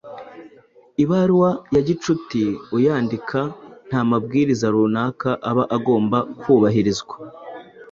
Ibaruwa ya gicuti, uyandika nta mabwiriza runaka aba agomba kubahiriza,